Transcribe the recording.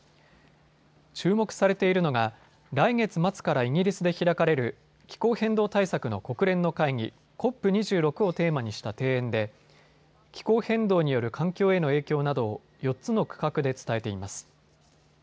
注目されているのが来月末からイギリスで開かれる気候変動対策の国連の会議、ＣＯＰ２６をテーマにした庭園で気候変動による環境への影響などを４つの区画で伝えています。